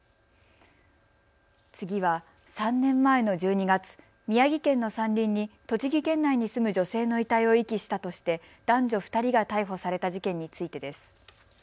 次は３年前の１２月、宮城県の山林に栃木県内に住む女性の遺体を遺棄したとして男女２人が逮捕された事件についてです。